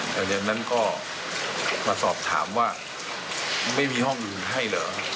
หลังจากนั้นก็มาสอบถามว่าไม่มีห้องอื่นให้เหรอ